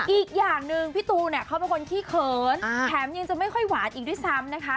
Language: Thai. อีกอย่างหนึ่งพี่ตูนเนี่ยเขาเป็นคนขี้เขินแถมยังจะไม่ค่อยหวานอีกด้วยซ้ำนะคะ